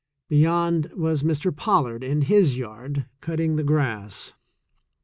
Beyond was Mr. Pollard in his yard, cutting the grass.